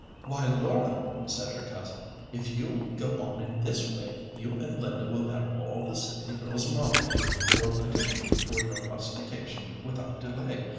"Why, Laura!" said her cousin, "if you go on in this way you and Linda will have all the Sydney girls mobbing you, or petitioning for your rustication without delay.